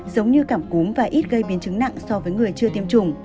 giống như cảm cúm và ít gây biến chứng nặng so với người chưa tiêm chủng